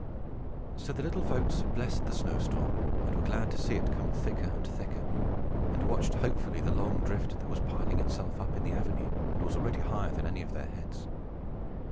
So the little folks blessed the snow storm, and were glad to see it come thicker and thicker, and watched hopefully the long drift that was piling itself up in the avenue, and was already higher than any of their heads.